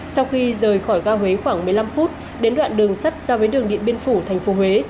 sau khi rời khỏi ga huế khoảng một mươi năm phút đến đoạn đường sắt ra với đường địa biến phủ tp huế